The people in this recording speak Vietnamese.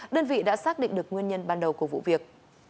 đơn vị đã xác định được nguyên nhân ban đầu của vụ việc